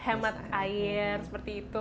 hemat air seperti itu